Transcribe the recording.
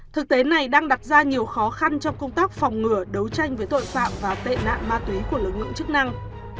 thực tế này đang đặt ra nhiều khó khăn trong công tác phòng ngừa đấu tranh với tội phạm và tệ nạn ma túy của lực lượng chức năng